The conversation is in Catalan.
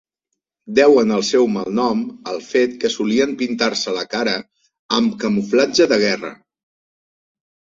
Deuen el seu malnom al fet que solien pintar-se la cara amb camuflatge de guerra.